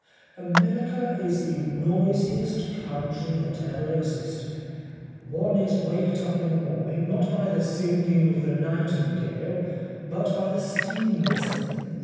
America is the noisiest country that ever existed. One is waked up in the morning, not by the singing of the nightingale, but by the steam whistle.